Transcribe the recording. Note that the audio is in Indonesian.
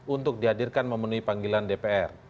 untuk dihadirkan memenuhi panggilan dpr